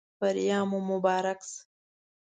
بریا مو مبارک شه.